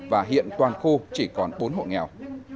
và hiện toàn khu chỉ còn bốn hộ nghèo